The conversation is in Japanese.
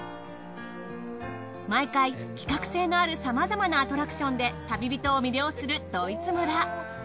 毎回企画性のあるさまざまなアトラクションで旅人を魅了するドイツ村。